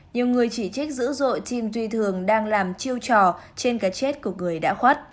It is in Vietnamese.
nhiều người chỉ trích dữ dội chim duy thường đang làm chiêu trò trên cái chết của người đã khuất